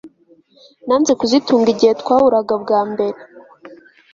Nanze kazitunga igihe twahuraga bwa mbere